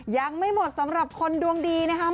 ยังไม่หมดสำหรับคนดวงดีนะครับ